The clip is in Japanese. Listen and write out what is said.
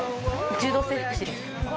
柔道整復師です。